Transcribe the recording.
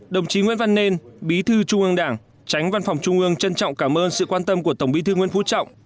đồng chí nguyễn văn nên bí thư trung ương đảng tránh văn phòng trung ương trân trọng cảm ơn sự quan tâm của tổng bí thư nguyễn phú trọng